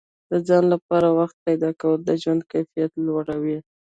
د ځان لپاره وخت پیدا کول د ژوند کیفیت لوړوي.